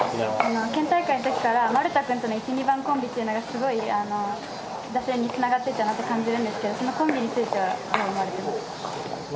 県大会のときから、丸田君との１、２番コンビっていうのはすごい打線につながってたなと感じるんですけど、そのコンビについてはどう思われてますか。